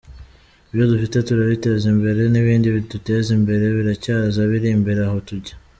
Ibyo dufite turabiteza imbere n’ibindi biduteza imbere biracyaza biri imbere aho tujya.